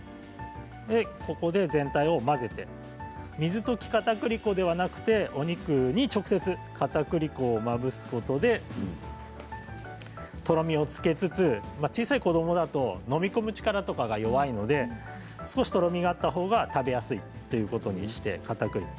ここで全体を混ぜて水溶きかたくり粉ではなくてお肉に直接かたくり粉をまぶすことで、とろみをつけつつ小さい子どもだと飲み込む力とか弱いので少しとろみがあったほうが食べやすいということでかたくり粉で。